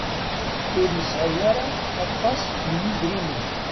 Ur nesɛi ara aṭas n yidrimen.